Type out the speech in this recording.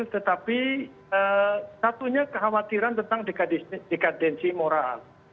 tetapi satunya kekhawatiran tentang dekadensi moral